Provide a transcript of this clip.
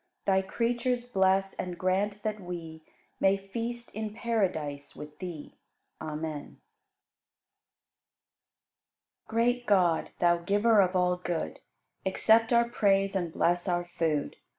Thy creatures bless and grant that we May feast in paradise with Thee. Amen. 43. Great God, Thou Giver of all good, Accept our praise and bless our food.